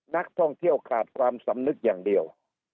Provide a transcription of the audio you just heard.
นักท่องเที่ยวขาดความสำนึกอย่างเดียว